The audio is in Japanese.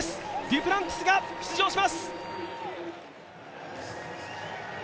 デュプランティスが出場します。